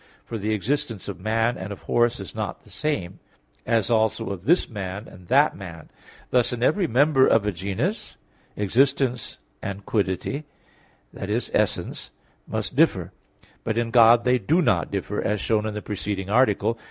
For the existence of man and of horse is not the same; as also of this man and that man: thus in every member of a genus, existence and quiddity i.e. essence must differ. But in God they do not differ, as shown in the preceding article.